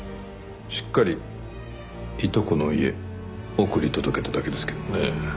しっかりいとこの家送り届けただけですけどもね。